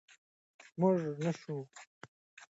موږ نشو کولای له پیسو پرته ژوند وکړو.